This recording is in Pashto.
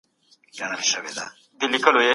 د اسلام دین د بدو کارونو څخه منع کوی.